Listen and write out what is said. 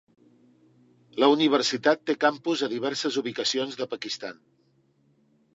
La universitat té campus a diverses ubicacions de Pakistan.